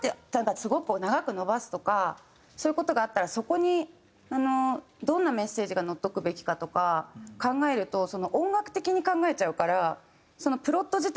すごくこう長く伸ばすとかそういう事があったらそこにあのどんなメッセージが乗っとくべきかとか考えると音楽的に考えちゃうから。